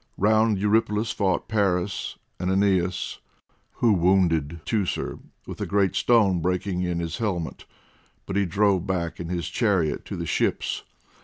Round Eurypylus fought Paris, and Aeneas, who wounded Teucer with a great stone, breaking in his helmet, but he drove back in his chariot to the ships.